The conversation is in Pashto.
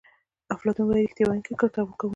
افلاطون وایي ریښتیا ویونکی کرکه کوونکي لري.